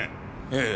ええ。